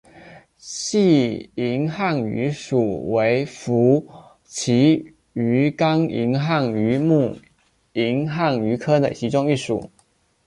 细银汉鱼属为辐鳍鱼纲银汉鱼目银汉鱼科的其中一属。